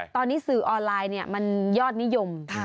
ตอนนี้สื่อออนไลน์มันยอดนิยม